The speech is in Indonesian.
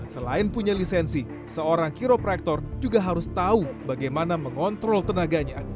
selain punya lisensi seorang kiro practor juga harus tahu bagaimana mengontrol tenaganya